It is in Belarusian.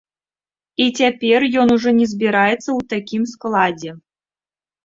І цяпер ён ужо не збіраецца ў такім складзе.